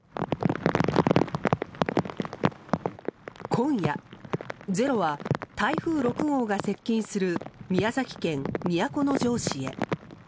今夜「ｚｅｒｏ」は台風６号が接近する宮崎県都城市へ。